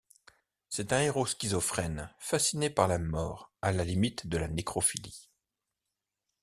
C'est un héros schizophrène fasciné par la mort, à la limite de la nécrophilie.